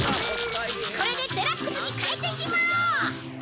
これでデラックスに変えてしまおう！